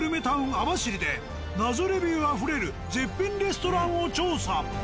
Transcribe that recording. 網走で謎レビュー溢れる絶品レストランを調査。